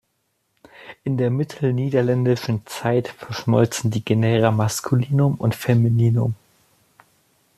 In der mittelniederländischen Zeit verschmolzen die Genera Maskulinum und Femininum.